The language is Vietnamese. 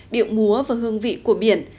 điệu múa và hương vị của biển